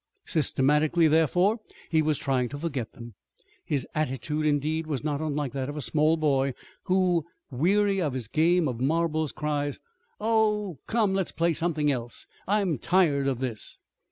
Systematically, therefore, he was trying to forget them. His attitude, indeed, was not unlike that of a small boy who, weary of his game of marbles, cries, "Oh, come, let's play something else. I'm tired of this!"